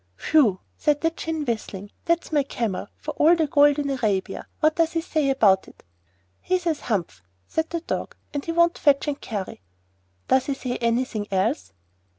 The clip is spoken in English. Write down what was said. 'Whew!' said the Djinn, whistling, 'that's my Camel, for all the gold in Arabia! What does he say about it?' 'He says "Humph!"' said the Dog; 'and he won't fetch and carry.' 'Does he say anything else?